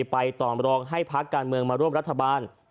ไปต่อมรองให้พักการเมืองมาร่วมรัฐบาล